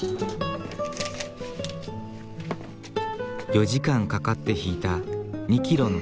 ４時間かかってひいた２ｋｇの粉。